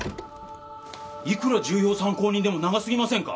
いくら重要参考人でも長すぎませんか？